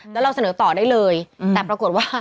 แล้วเราเสนอต่อได้เลยแต่ปรากฏว่า